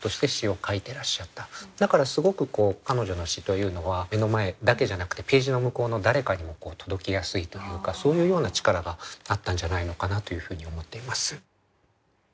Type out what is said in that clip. だからすごく彼女の詩というのは目の前だけじゃなくてページの向こうの誰かに届けやすいというかそういうような力があったんじゃないのかなというふうに思っています。